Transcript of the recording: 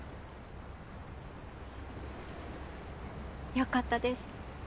よかったです。